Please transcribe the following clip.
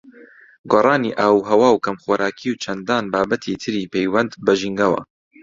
گۆڕانی ئاووهەوا و کەمخۆراکی و چەندان بابەتی تری پەیوەند بە ژینگەوە